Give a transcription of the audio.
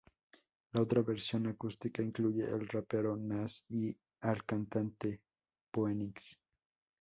La otra versión acústica incluye al rapero Nas y al cantante J. Phoenix.